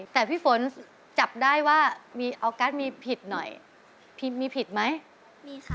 แต่พี่ฝนจับได้ว่าออร์กัสมีผิดหน่อยพี่มีผิดไหม